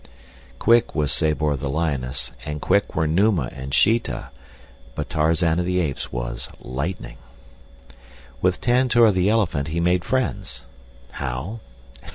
Quick was Sabor, the lioness, and quick were Numa and Sheeta, but Tarzan of the Apes was lightning. With Tantor, the elephant, he made friends. How?